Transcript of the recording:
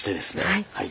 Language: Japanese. はい。